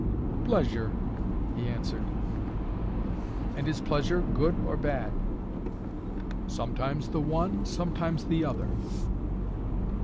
"Pleasure," he answered. "And is pleasure good or bad?" "Sometimes the one, sometimes the other."